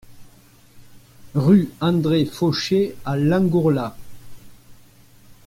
Rue André Fauchet à Langourla